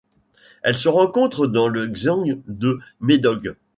Elle se rencontre dans le xian de Mêdog.